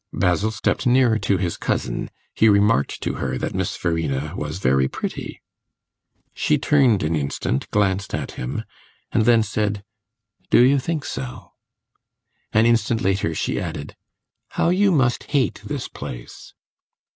Basil stepped nearer to his cousin; he remarked to her that Miss Verena was very pretty. She turned an instant, glanced at him, and then said, "Do you think so?" An instant later she added, "How you must hate this place!"